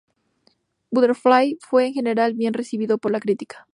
Butterfly fue en general bien recibido por la crítica.